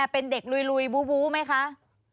เป็นเด็กลุยบู๊ไหมคะ